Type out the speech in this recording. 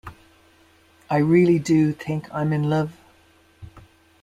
I really do think I'm in love.